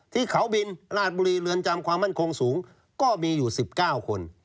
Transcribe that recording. ที่เขาบินราชบุรีเรือนจำความมั่นคงสูงก็มีอยู่๑๙คน